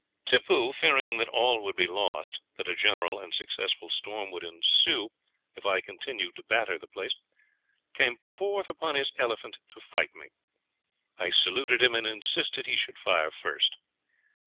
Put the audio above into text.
Tippoo, fearing that all would be lost, that a general and successful storm would ensue if I continued to batter the place, came forth upon his elephant to fight me; I saluted him, and insisted he should fire first.